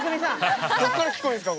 どっから聞こえんですか？